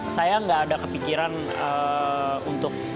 saya nggak ada kepikiran untuk